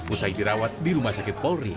usai dirawat di rumah sakit polri